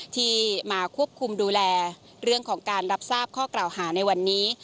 ที่มาควบคุมดูแลเรื่องของการรับทราบข้อกล่าวหาในวันนี้